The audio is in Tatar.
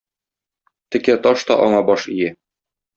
Текә таш та аңа баш ия.